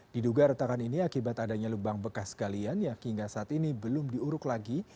diduga retakan ini akibat adanya lubang bekas galian yang hingga saat ini belum diuruk lagi